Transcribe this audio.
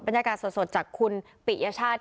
บรรยากาศสดจากคุณปิยชาติ